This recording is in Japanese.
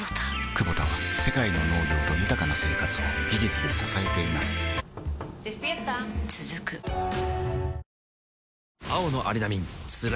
クボタは世界の農業と豊かな生活を技術で支えています起きて。